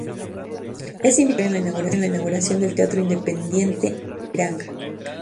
Es invitado a tocar en la inauguración del Teatro Independiente Ipiranga.